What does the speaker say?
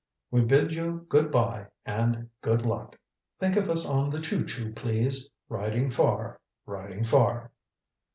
"We bid you good by and good luck. Think of us on the choo choo, please. Riding far riding far."